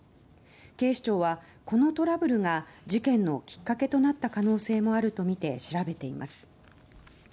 警視庁は、このトラブルが事件のきっかけとなった可能性もあるとみて調べています。